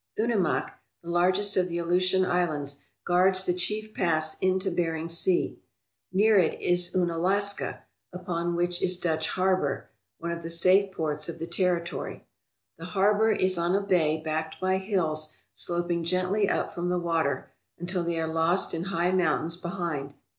Unimak, the largest of the Aleutian Islands, guards the chief pass into Bering Sea. Near it is Unalaska, upon which is Dutch Harbour, one of the safe ports of the territory. The harbour is on a bay backed by hills sloping gently up from the water until they are lost in high mountains behind.